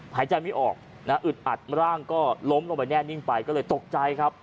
หายใจไม่ออกนะอึดอัดร่างก็ล้มลงไปแน่นิ่งไปก็เลยตกใจครับ